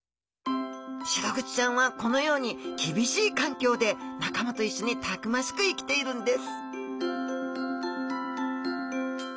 シログチちゃんはこのように厳しい環境で仲間と一緒にたくましく生きているんです！